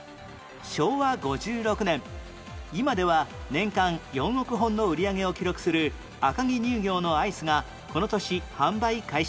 昭和５６年今では年間４億本の売り上げを記録する赤城乳業のアイスがこの年販売開始